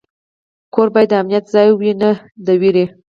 کور باید د امنیت ځای وي، نه د ویرې.